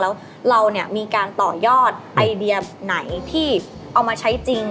แล้วเราเนี่ยมีการต่อยอดไอเดียไหนที่เอามาใช้จริง